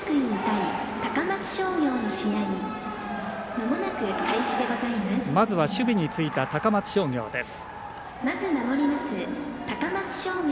まずは守備についた高松商業です。